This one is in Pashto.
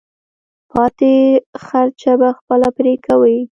پاتې خرچه به خپله پرې کوې.